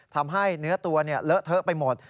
ทำให้เนื้อตัวเลอะเทอะไปหมด